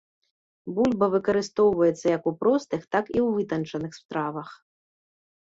Бульба выкарыстоўваецца як у простых, так і ў вытанчаных стравах.